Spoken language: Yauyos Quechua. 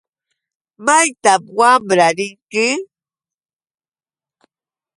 ¿Maytan wara rinki?